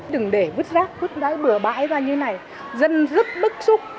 những bãi rác vứt rái bửa bãi ra như thế này dân rất bức xúc